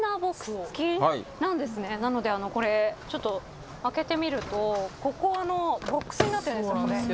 なのであのこれちょっと開けてみるとここあのボックスになってるんですよこれ。